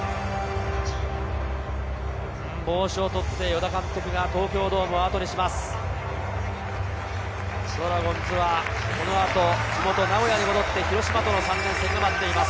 帽子を取った与田監督が東京ドームをあとにします。